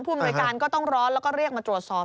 อำนวยการก็ต้องร้อนแล้วก็เรียกมาตรวจสอบ